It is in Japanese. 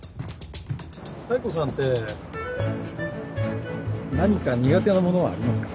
妙子さんって何か苦手なものはありますか？